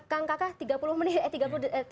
kang kakak tiga puluh menit